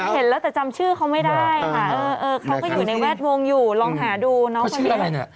เขาชื่ออะไรนะ